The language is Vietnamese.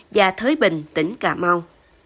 và thới bình tỉnh cà mau